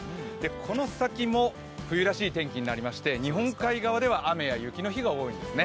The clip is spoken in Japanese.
この先も冬らしい天気になりまして、日本海側では雨や雪の日が多いんですね。